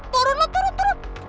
turun lo turun turun